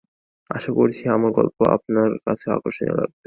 আশা করছি আমার গল্প আপনার কাছে আকর্ষণীয় লাগবে।